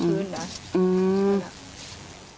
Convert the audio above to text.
อืม